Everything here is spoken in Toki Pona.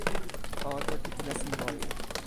o toki pi nasin moli.